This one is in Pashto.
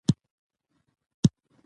که غیرت ولرو نو بې ننګه نه کیږو.